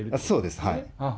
そうです。